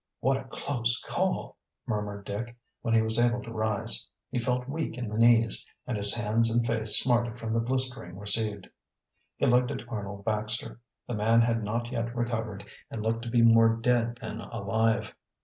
"What a close call!" murmured Dick, when he was able to rise. He felt weak in the knees, and his hands and face smarted from the blistering received. He looked at Arnold Baxter. The man had not yet recovered and looked to be more dead than alive.